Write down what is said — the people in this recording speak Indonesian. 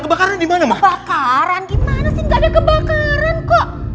kebakaran gimana sih gak ada kebakaran kok